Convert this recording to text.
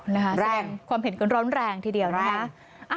อ๋อนะคะแรงความเห็นกันร้อนแรงทีเดียวนะคะ